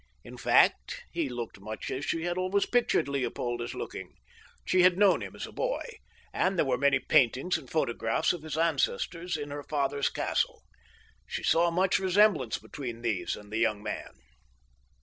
In fact, he looked much as she had always pictured Leopold as looking. She had known him as a boy, and there were many paintings and photographs of his ancestors in her father's castle. She saw much resemblance between these and the young man.